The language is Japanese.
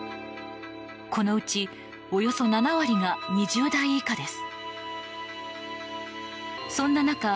このうちおよそ７割が２０代以下です。